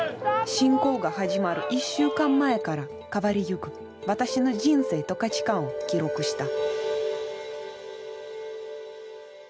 侵攻が始まる１週間前から変わりゆく私の人生と価値観を記録した。